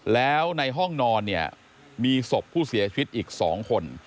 แล้วในห้องนอนเนี่ยมีศพผู้เสียชีวิตอีก๒คน